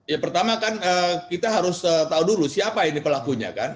ya pertama kan kita harus tahu dulu siapa ini pelakunya kan